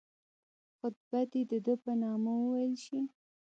خطبه دي د ده په نامه وویل شي.